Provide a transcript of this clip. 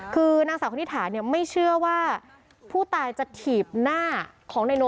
คือนางสาวคณิตถาเนี่ยไม่เชื่อว่าผู้ตายจะถีบหน้าของนายโน